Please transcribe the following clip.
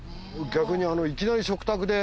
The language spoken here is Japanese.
逆にいきなり食卓で。